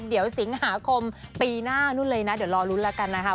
เดี๋ยวสิงหาคมปีหน้านู่นเลยนะเดี๋ยวรอลุ้นแล้วกันนะคะ